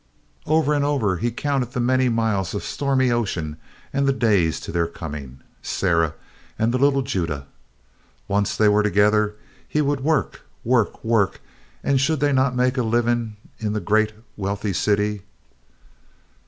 Over and over he counted the many miles of stormy ocean and the days to their coming, Sarah and the little Judah. Once they were together, he would work, work, work and should they not make a living in the great, wealthy city?